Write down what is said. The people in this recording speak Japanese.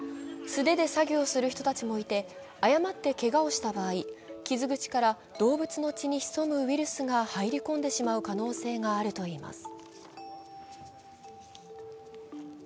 素手で作業する人たちもいて、誤ってけがをした場合、傷口から動物の血に潜むウイルスが入り込んでしまう可能性があるといいます。